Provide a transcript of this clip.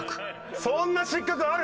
そんな失格ある！？